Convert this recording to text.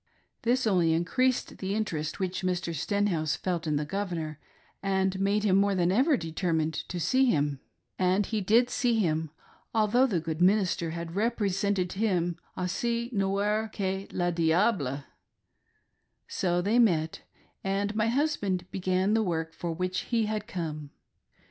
This only increased the interest which Mr. Stenhouse felt in the Governor, and made him more than ever determined to see him ; and he did see him, although the good minister had represented him "aussi noir que le diable" So they met ; and my husband began the work for which he had come.